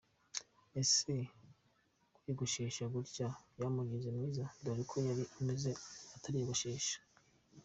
Ese kwiyogoshesha gutya byamugize mwiza? Dore uko yari ameze atariyogoshesha.